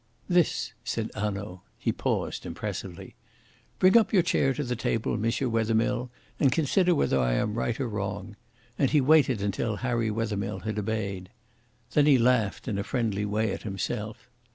"This," said Hanaud. He paused impressively. "Bring up your chair to the table, M. Wethermill, and consider whether I am right or wrong"; and he waited until Harry Wethermill had obeyed. Then he laughed in a friendly way at himself.